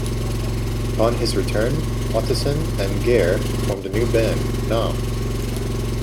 Upon his return Ottesen and Geir formed a new band gnom.